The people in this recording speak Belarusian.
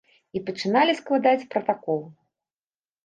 І пачыналі складаць пратакол.